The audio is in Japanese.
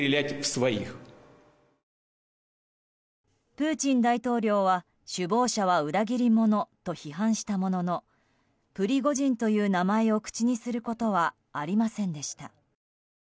プーチン大統領は、首謀者は裏切り者と批判したもののプリゴジンという名前を口にすることはありませんでした。